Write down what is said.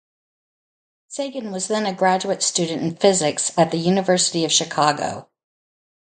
Sagan was then a graduate student in physics at the University of Chicago.